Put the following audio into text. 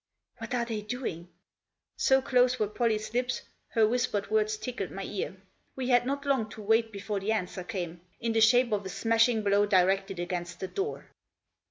" What are they doing? " So close were Pollie's lips her whispered words tickled my ear. We had not long to wait before the answer came — in the shape of a smashing blow directed against the door.